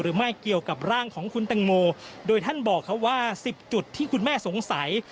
ไม่เกี่ยวกับร่างของคุณแตงโมโดยท่านบอกเขาว่า๑๐จุดที่คุณแม่สงสัย